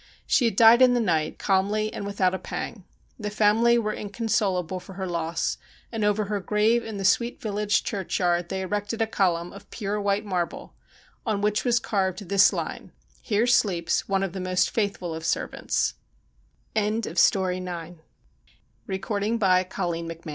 She had died in the night, calmly and without a pang. The family were inconsolable for her loss, and over her grave in the sweet village churchyard they erected a column of pure white marble, on which was carved this line : Here sleeps one of the most fait